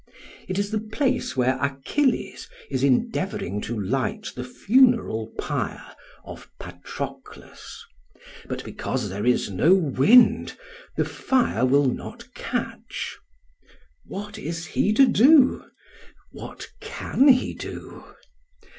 It is the place where Achilles is endeavouring to light the funeral pyre of Patroclus, but because there is no wind the fire will not catch. What is he to do? What can he do?